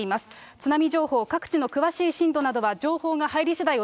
津波情報、各地の詳しい震度などは情報が入りしだい